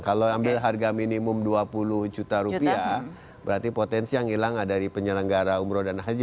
kalau ambil harga minimum dua puluh juta rupiah berarti potensi yang hilang dari penyelenggara umroh dan haji